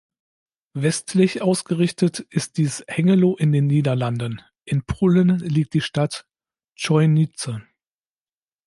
Westlich ausgerichtet ist dies Hengelo in den Niederlanden; in Polen liegt die Stadt Chojnice.